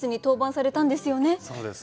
そうですね。